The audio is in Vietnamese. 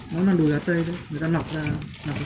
nó là đùi gà tây đấy người ta nọc ra nọc ra xinh người ta hơi